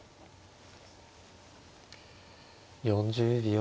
４０秒。